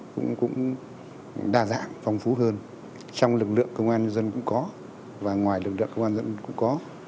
cũng đa dạng phong phú hơn trong lực lượng công an nhân dân cũng có và ngoài lực lượng công an dân cũng có